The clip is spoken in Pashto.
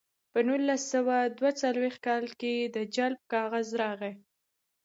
په نولس سوه دوه څلویښت کال د جلب کاغذ راغی